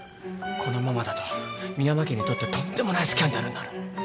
このままだと深山家にとってとんでもないスキャンダルになる。